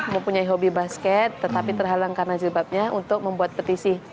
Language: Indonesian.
mempunyai hobi basket tetapi terhalang karena jilbabnya untuk membuat petisi